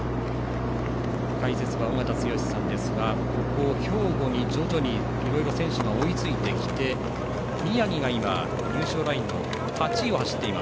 解説は尾方剛さんですが兵庫に、徐々にいろいろな選手が追いついてきて宮城が今、入賞ラインの８位を走っています。